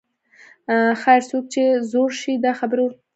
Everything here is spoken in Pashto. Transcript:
خیر، څوک چې زوړ شي دا خبرې ورسره تړلې دي.